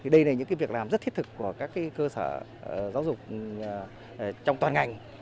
đây là những việc làm rất thiết thực của các cơ sở giáo dục trong toàn ngành